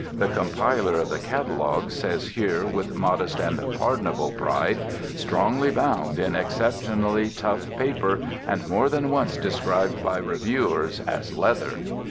The compiler of the catalogue says here with modest and pardonable pride "strongly bound in exceptionally tough paper and more than once described by reviewers as leather.